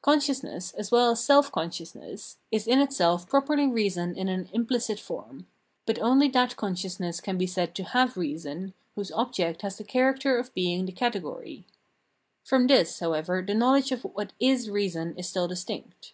Consciousness, as well as self consciousness, is in itself properly reason in an implicit form ; but only that consciousness can be said to liave reason whose object has the character of being the category. From this, however, the knowledge of what is reason is still distinct.